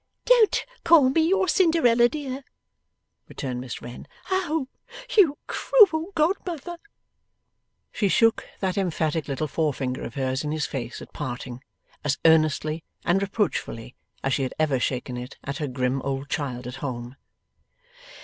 'Don't call me your Cinderella dear,' returned Miss Wren. 'O you cruel godmother!' She shook that emphatic little forefinger of hers in his face at parting, as earnestly and reproachfully as she had ever shaken it at her grim old child at home.